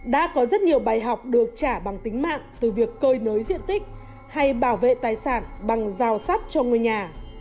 đã có rất nhiều bài học được trả bằng tính mạng từ việc cơi nới diện tích hay bảo vệ tài sản bằng rào sắt cho người nhà